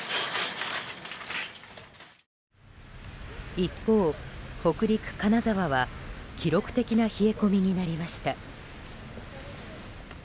一方、北陸・金沢は記録的な冷え込みになりました。